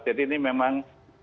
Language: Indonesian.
jadi ini memang